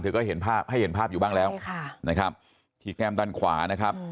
ว่าเธอก็เห็นภาพให้เห็นภาพอยู่บ้างแล้วใช่มั่งค่ะนะครับที่แก้มด้านขวานะครับ